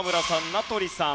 名取さん